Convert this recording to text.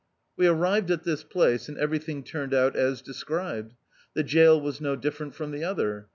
We arrived at this place, and everything turned out as described. The jail was no different from the other.